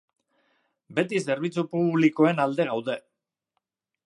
Beti zerbitzu publikoen alde gaude.